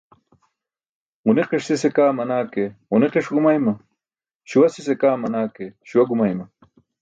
Ġuniqiṣ sise kaa manaa ke ġuniqiṣ gumayma, śuwa sise kaa manaa ke śuwa gumayma.